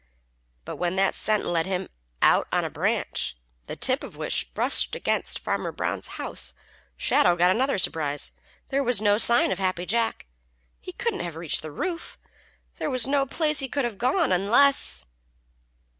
But when that scent led him out on a branch the tip of which brushed against Farmer Brown's house Shadow got another surprise. There was no sign of Happy Jack. He couldn't have reached the roof. There was no place he could have gone unless